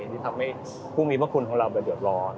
ที่ทำให้ผู้มีพระคุณของเราไปเดือดร้อน